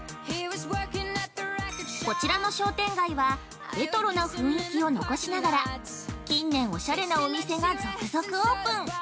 こちらの商店街はレトロな雰囲気を残しながら近年、おしゃれなお店が続々オープン。